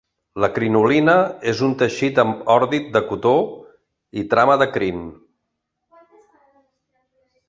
La crinolina és un teixit amb ordit de cotó i trama de crin.